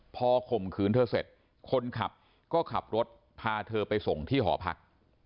พอข่มขืนเธอเสร็จคนขับก็ขับรถพาเธอไปส่งที่หอพัก